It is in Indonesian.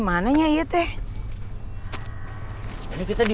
kenapa kamu lagi berani